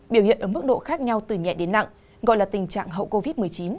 biểu hiện ở mức độ khác nhau từ nhẹ đến nặng gọi là tình trạng hậu covid một mươi chín